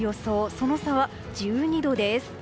その差は１２度です。